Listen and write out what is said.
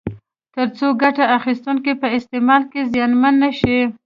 ترڅو ګټه اخیستونکي په استعمال کې زیانمن نه شي.